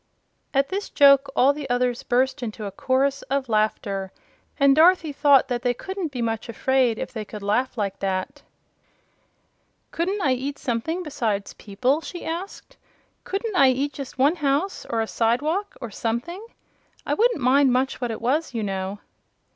At this joke all the others burst into a chorus of laughter, and Dorothy thought they couldn't be much afraid if they could laugh like that. "Couldn't I eat something besides people?" she asked. "Couldn't I eat just one house, or a side walk or something? I wouldn't mind much what it was, you know."